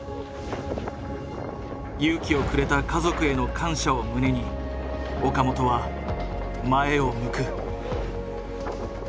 勇気をくれた家族への感謝を胸に岡本は前を向く。